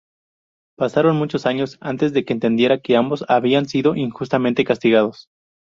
Pasaron muchos años antes de que entendiera que ambos habían sido injustamente castigados.